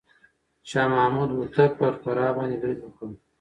شاه محمود هوتک پر فراه باندې بريد وکړ.